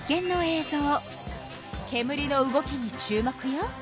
けむりの動きに注目よ。